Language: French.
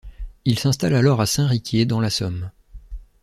Il s'installe alors à Saint-Riquier, dans la Somme.